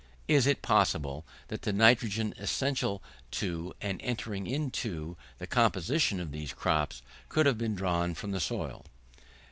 Is it possible that the nitrogen essential to, and entering into, the composition of these crops, could have been drawn from the soil?